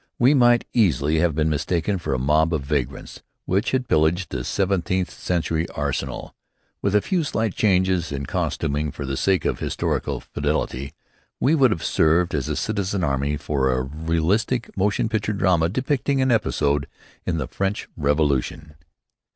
We might easily have been mistaken for a mob of vagrants which had pillaged a seventeenth century arsenal. With a few slight changes in costuming for the sake of historical fidelity, we would have served as a citizen army for a realistic motion picture drama depicting an episode in the French Revolution.